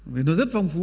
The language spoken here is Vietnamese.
vì nó rất phong phú